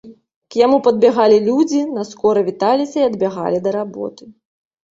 К яму падбягалі людзі, наскора віталіся і адбягалі да работы.